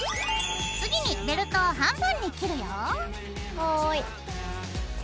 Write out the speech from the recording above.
はい。